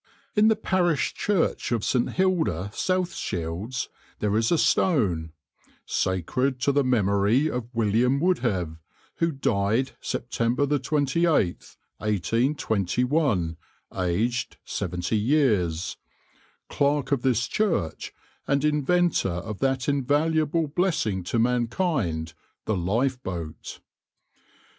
In the parish church of St. Hilda, South Shields, there is a stone "Sacred to the Memory of William Wouldhave, who died September 28, 1821, aged 70 years, Clerk of this Church, and Inventor of that invaluable blessing to mankind, the Lifeboat."